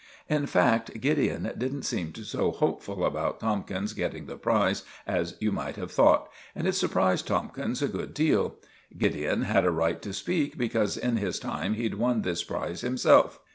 In fact, Gideon didn't seem so hopeful about Tomkins getting the prize as you might have thought, and it surprised Tomkins a good deal. Gideon had a right to speak, because in his time he'd won this prize himself.